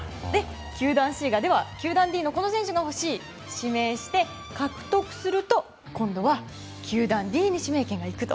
球団Ｃが球団Ｄのこの選手が欲しいと指名して獲得すると今度は球団Ｄに指名権がいくと。